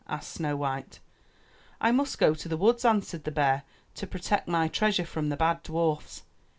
'' asked Snow white. '1 must go to the woods," answered the bear, '*to protect my treasure from the bad dwarfs.